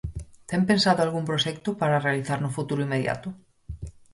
Ten pensado algún proxecto para realizar no futuro inmediato?